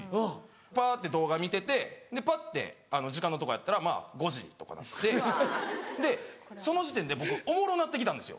ぱって動画見ててぱって時間のとこやったら５時とかになっててでその時点で僕おもろなって来たんですよ